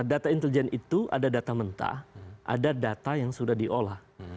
data intelijen itu ada data mentah ada data yang sudah diolah